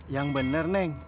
yang bener neng